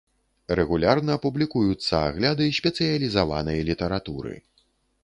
Рэгулярна публікуюцца агляды спецыялізаванай літаратуры.